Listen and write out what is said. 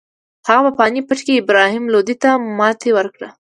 هغه په پاني پت کې ابراهیم لودي ته ماتې ورکړه.